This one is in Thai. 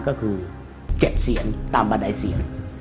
ก็คือเก็บเสียงตามบันไดเสียง